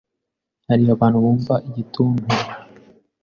Hari abantu bumva igituntu